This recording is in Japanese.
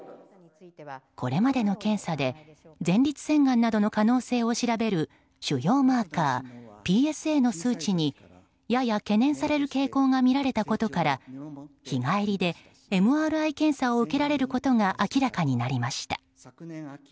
これまでの検査で前立腺がんなどの可能性を調べる腫瘍マーカー、ＰＳＡの数値にやや懸念される傾向が見られたことから日帰りでＭＲＩ検査を受けられることが明らかになりました。